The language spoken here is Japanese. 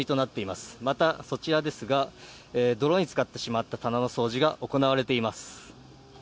また、そちらですが泥に浸かってしまった棚の掃除が行われています。